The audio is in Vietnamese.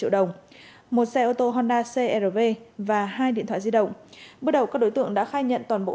triệu đồng một xe ô tô honda crv và hai điện thoại di động bước đầu các đối tượng đã khai nhận toàn bộ